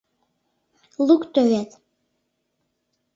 Лукто вет...